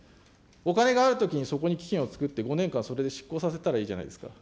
お金があるときにそこに基金を作って５年間それで執行させたらいいじゃないですか。